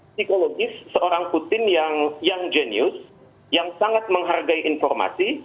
psikologis seorang putin yang jenius yang sangat menghargai informasi